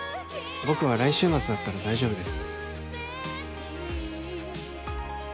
「僕は来週末だったら大丈夫です」